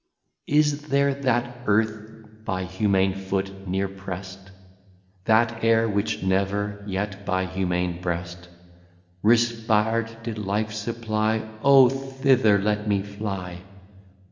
VI. Is there that Earth by Humane Foot ne're prest? That Aire which never yet by Humane Breast Respir'd, did Life supply? Oh, thither let me fly!